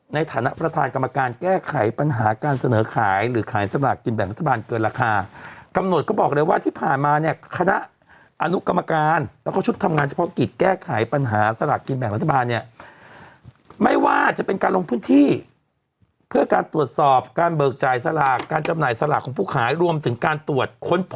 ในฐานะประธานกรรมการแก้ไขปัญหาการเสนอขายหรือขายสลากกินแบ่งรัฐบาลเกินราคากำหนดก็บอกเลยว่าที่ผ่านมาเนี่ยคณะอนุกรรมการแล้วก็ชุดทำงานเฉพาะกิจแก้ไขปัญหาสลากกินแบ่งรัฐบาลเนี่ยไม่ว่าจะเป็นการลงพื้นที่เพื่อการตรวจสอบการเบิกจ่ายสลากการจำหน่ายสลากของผู้ขายรวมถึงการตรวจค้น